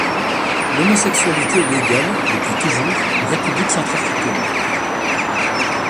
L'homosexualité est légale depuis toujours en République centrafricaine.